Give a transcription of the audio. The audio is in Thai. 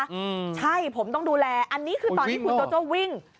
อืมใช่ผมต้องดูแลอันนี้คือตอนที่คุณโจโจ้วิ่ง